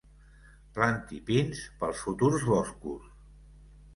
Planti pins pels futurs boscos.